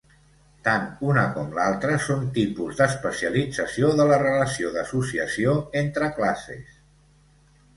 Tant una com l’altra són tipus d’especialització de la relació d’associació entre classes.